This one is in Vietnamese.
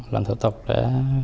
lần thủ tục để